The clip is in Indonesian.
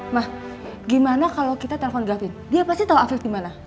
mah gimana kalau kita telepon gavin dia pasti tau afif gimana